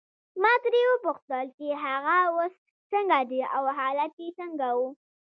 ما ترې وپوښتل چې هغه اوس څنګه دی او حالت یې څنګه وو.